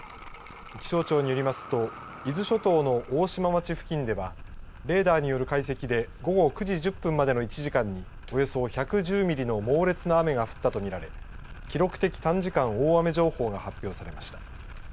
気象庁によりますと伊豆諸島の大島町付近ではレーダーによる解析で午後９時１０分までの１時間におよそ１１０ミリの猛烈な雨が降ったとみられ記録的短時間大雨情報が発表されました。